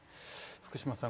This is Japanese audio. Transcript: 福島さん